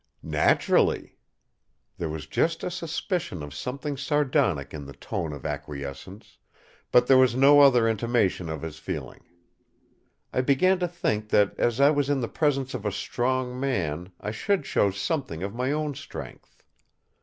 "Naturally!" there was just a suspicion of something sardonic in the tone of acquiescence; but there was no other intimation of his feeling. I began to think that as I was in the presence of a strong man, I should show something of my own strength.